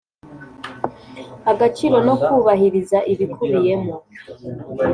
Agaciro no kubahiriza ibikubiyemo